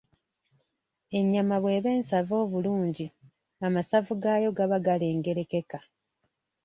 Ennyama bw’eba ensava obulungi, amasavu gaayo gaba galengerekeka.